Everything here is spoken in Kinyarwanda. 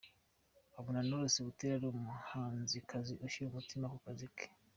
Abona Knowless Butera ari umuhanzikazi ushyira umutima kukazi ke.